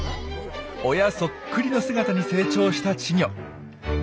親そっくりの姿に成長した稚魚。